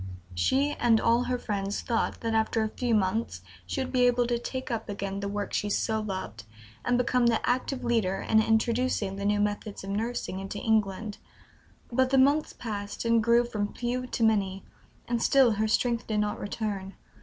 She, and all her friends, thought that after a few months she would be able to take up again the work she so loved, and become the active leader in introducing the new methods of nursing into England. But the months passed, and grew from few to many, and still her strength did not return.